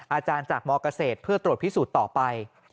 อาจารย์จากมเกษตรเพื่อตรวจพิสูจน์ต่อไป